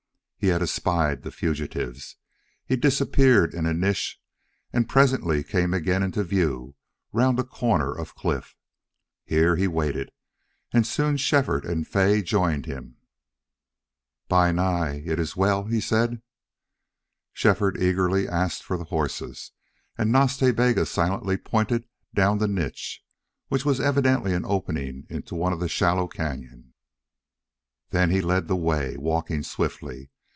He had espied the fugitives. He disappeared in a niche, and presently came again into view round a corner of cliff. Here he waited, and soon Shefford and Fay joined him. "Bi Nai, it is well," he said. Shefford eagerly asked for the horses, and Nas Ta Bega silently pointed down the niche, which was evidently an opening into one of the shallow cañon. Then he led the way, walking swiftly.